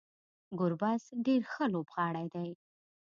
ګربز ډیر ښه لوبغاړی دی